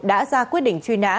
đã ra quyết định truy nã